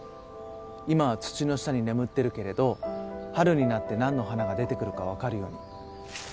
今は土の下に眠ってるけれど春になってなんの花が出てくるかわかるように。